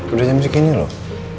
udah jam segini loh